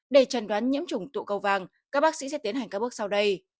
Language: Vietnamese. để trần đoán nhiễm trùng tụ cầu vàng các bác sĩ sẽ tiến hành các bước sau đây